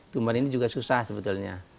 cuman ini juga susah sebetulnya